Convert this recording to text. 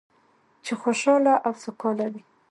چې خوشحاله او سوکاله وي.